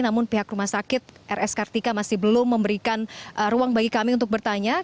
namun pihak rumah sakit rs kartika masih belum memberikan ruang bagi kami untuk bertanya